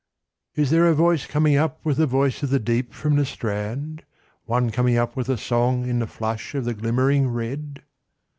1. Is there a voice coming up with the voice of the deep from the strand. One coming up with a song in the flush of the glimmering red